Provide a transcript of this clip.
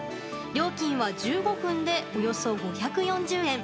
料金は１５分で、およそ５４０円。